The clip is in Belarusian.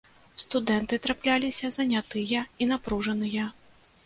Студэнты трапляліся занятыя і напружаныя.